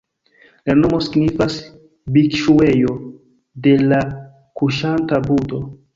La nomo signifas "Bikŝuejo de la kuŝanta budho".